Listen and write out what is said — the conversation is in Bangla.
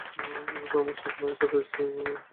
ইউরোপে আমার সৎ মায়ের সাথে স্কিইং করতে গেছে।